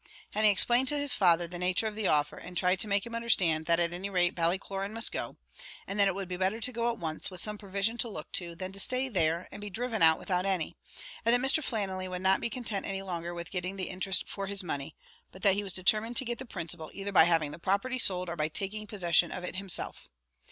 and he explained to his father the nature of the offer; and tried to make him understand that at any rate Ballycloran must go; and that it would be better to go at once, with some provision to look to, than to stay there, and be driven out, without any; and that Mr. Flannelly would not be content any longer with getting the interest for his money, but that he was determined to get the principal, either by having the property sold, or by taking possession of it himself.